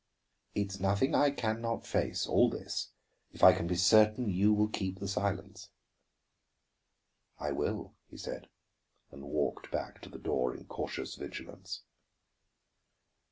"It is nothing I can not face, all this, if I can be certain you will keep silence." "I will," he said, and walked back to the door in cautious vigilance.